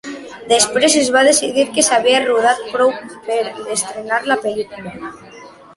Després es va decidir que s’havia rodat prou per estrenar la pel·lícula.